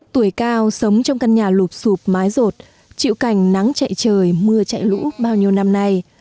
tuổi cao sống trong căn nhà lụp sụp mái rột chịu cảnh nắng chạy trời mưa chạy lũ bao nhiêu năm nay